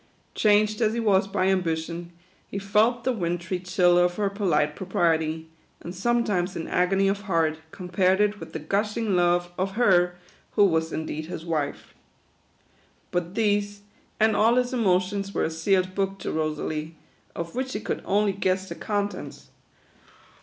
Changed as he was by ambition, he felt the wintry chill of her polite propriety, and sometimes in agony of heart, compared \\y with the gushing love of her who was indeed his wife. But these, and all his emotions, were a sealed book to Rosalie, of which she could only guess the con tents.